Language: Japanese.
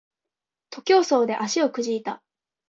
徒競走で足をくじいた